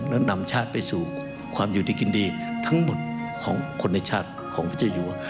และนำชาติไปสู่ความอยู่ดีกินดีทั้งหมดของคนในชาติของพระเจ้าอยู่